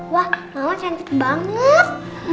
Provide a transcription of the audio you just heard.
wah mama cantik banget